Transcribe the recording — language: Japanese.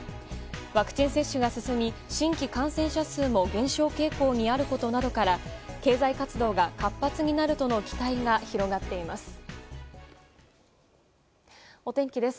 ワクチン接種が進み新規感染者数も減少傾向にあることなどから経済活動が活発になるとの期待が広がっています。